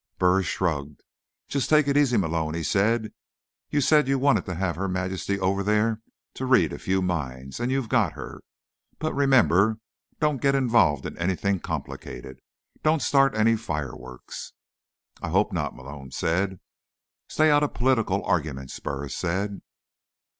Burris shrugged. "Just take it easy, Malone," he said. "You said you wanted to have Her Majesty over there to read a few minds, and you've got her. But remember, don't get involved in anything complicated. Don't start any fireworks." "I hope not," Malone said. "Stay out of political arguments," Burris said.